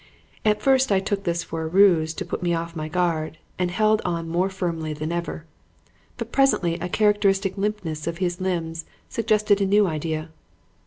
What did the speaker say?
"At first I took this for a ruse to put me off my guard, and held on more firmly than ever; but presently a characteristic limpness of his limbs suggested a new idea.